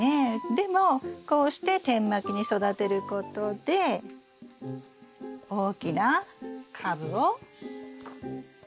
でもこうして点まきに育てることで大きな株を育てることができます。